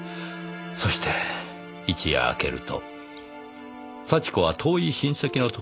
そして一夜明けると「幸子は遠い親戚のところへ行った」